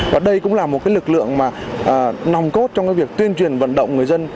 và đây cũng là một cái lực lượng mà nồng cốt trong cái việc tuyên truyền vận động người dân